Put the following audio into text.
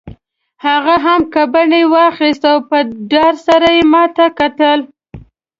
هغه هم ګبڼۍ واخیست او په ډار سره یې ما ته کتل.